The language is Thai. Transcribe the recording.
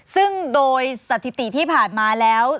ซึ่งโดยสถิติที่ผ่านมาแล้ว